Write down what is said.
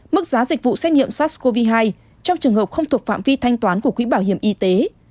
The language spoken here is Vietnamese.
mức giá dịch vụ xét nghiệm sars cov hai trong trường hợp không thuộc phạm vi thanh toán của quỹ bảo hiểm y tế